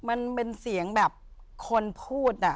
มันเป็นเสียงแบบคนพูด